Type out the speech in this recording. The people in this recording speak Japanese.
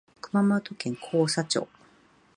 熊本県甲佐町